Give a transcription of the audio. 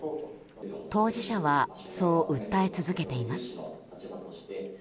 当事者はそう訴え続けています。